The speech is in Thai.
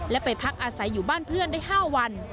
และไปพักอาศัยอยู่บ้านเพื่อนได้๕วัน